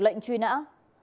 lệnh truy nãn tội phạm